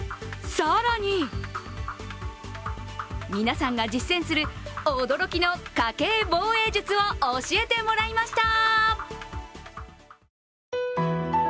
更に皆さんが実戦する驚きの家計防衛術を教えてもらいました。